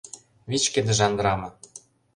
Вич кыдежан драма